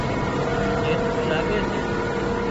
جيتُو لاڳي سي